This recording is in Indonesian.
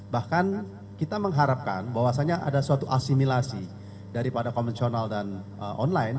bahkan kita mengharapkan bahwasannya ada suatu asimilasi daripada konvensional dan online